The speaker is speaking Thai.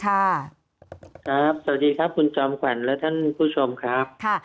สวัสดีครับคุณจอมขวัญและท่านผู้ชมครับ